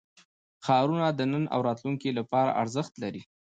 ښارونه د نن او راتلونکي لپاره ارزښت لري.